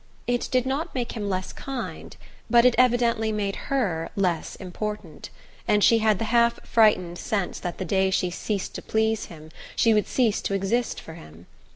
It did not make him less kind, but it evidently made her less important; and she had the half frightened sense that the day she ceased to please him she would cease to exist for him.